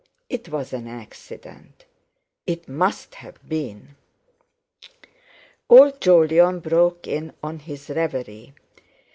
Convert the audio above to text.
It was an accident! It must have been! Old Jolyon broke in on his reverie.